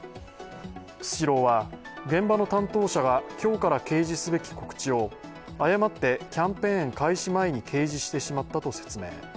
スシローは、現場の担当者が今日から掲示すべき告知を誤ってキャンペーン開始前に掲示してしまったと説明。